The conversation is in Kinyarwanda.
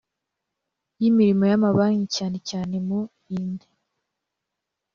y imirimo y amabanki cyane cyane mu in